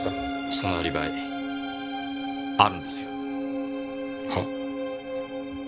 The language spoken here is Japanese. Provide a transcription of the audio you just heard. そのアリバイあるんですよ。は？